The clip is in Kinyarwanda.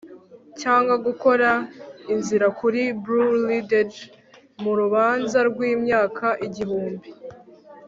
cyangwa gukora inzira kuri Blue Ridge mu rubanza rwimyaka igihumbi